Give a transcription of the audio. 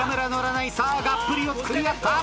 さあがっぷり四つ組み合った。